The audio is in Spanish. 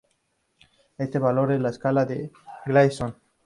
Este valor es la escala de Gleason.